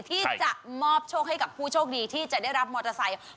ที่จะมอบโชคให้กับผู้โชคดีที่จะได้รับมอเตอร์ไซค์